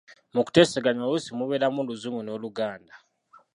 Mukuteeseganya oluusi mubeeramu Oluzungu n’Oluganda.